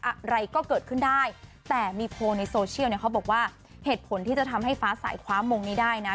อะไรก็เกิดขึ้นได้แต่มีโพลในโซเชียลเนี่ยเขาบอกว่าเหตุผลที่จะทำให้ฟ้าสายคว้ามงนี้ได้นะ